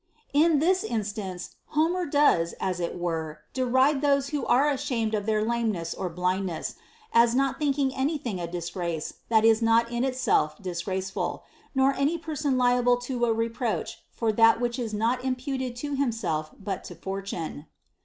t In this instance, Homer does (as it were) deride those who are ashamed of their lameness or blindness, as not thinking any thing a disgrace that is not in itself disgrace ful, nor any person liable to a reproach for that which is not imputable to himself but to Fortune.